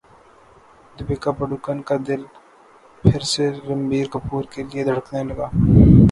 دپیکا پڈوکون کا دل پھر سے رنبیر کپور کے لیے دھڑکنے لگا